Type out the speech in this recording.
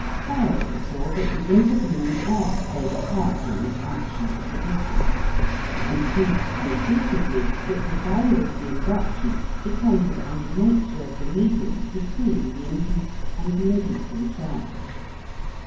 Faraday saw that the intervening air played a part in this action at a distance, and proved conclusively that the value of the induction depended on the nature of the medium between the induced and the inducing charge.